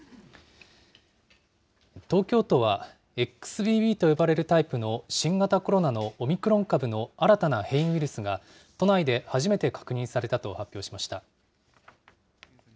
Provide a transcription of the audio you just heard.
東京都は、ＸＢＢと呼ばれるタイプの新型コロナのオミクロン株の新たな変異ウイルスが、都内で初めて確認されたと発表しました。